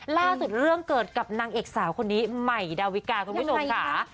เรื่องเกิดกับนางเอกสาวคนนี้ใหม่ดาวิกาคุณผู้ชมค่ะ